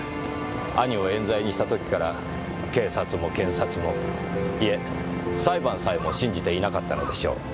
兄を冤罪にした時から警察も検察もいえ裁判さえも信じていなかったのでしょう。